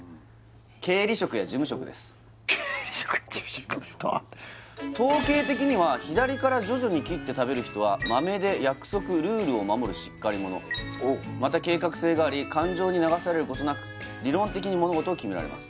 経理職事務職統計的には左から徐々に切って食べる人はマメで約束ルールを守るしっかり者また計画性があり感情に流されることなく理論的に物事を決められます